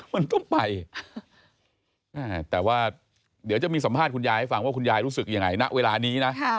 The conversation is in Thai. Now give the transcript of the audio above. มันต้องไปแต่ว่าเดี๋ยวจะมีสัมภาษณ์คุณยายให้ฟังว่าคุณยายรู้สึกยังไงณเวลานี้นะ